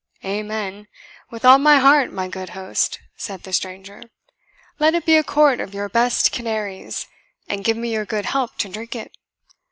"Amen! with all my heart, my good host," said the stranger; "let it be a quart of your best Canaries, and give me your good help to drink it."